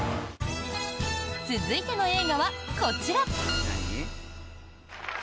続いての映画は、こちら。